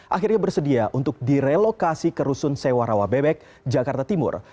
akhirnya bersedia untuk direlokasi ke rusun sewa rawa bebek jakarta timur